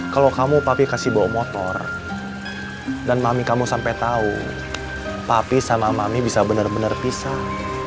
kalau kamu papi kasih bawa motor dan mami kamu sampai tahu papi sama mami bisa benar benar pisah